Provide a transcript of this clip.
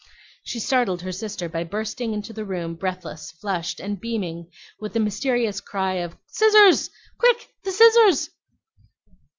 She startled her sister by bursting into the room breathless, flushed, and beaming, with the mysterious cry of, "Scissors! quick, the scissors!"